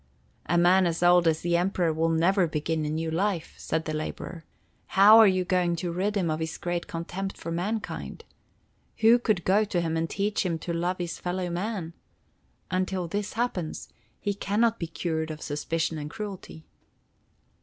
"A man as old as the Emperor will never begin a new life," said the laborer. "How are you going to rid him of his great contempt for mankind? Who could go to him and teach him to love his fellow man? Until this happens, he can not be cured of suspicion and cruelty."